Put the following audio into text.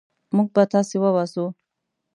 موږ به تاسي وباسو.